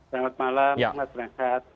selamat malam selamat rehat